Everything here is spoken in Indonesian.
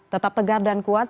tetap tegar dan kuat